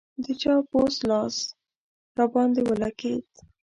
د چا پوست لاس راباندې ولګېد.